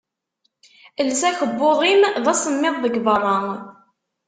Els akebbuḍ-im. D asemmiḍ deg berra.